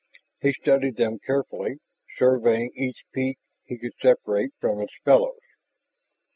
He studied them carefully, surveying each peak he could separate from its fellows.